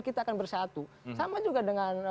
kita akan bersatu sama juga dengan